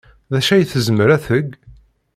D acu ay tezmer ad teg?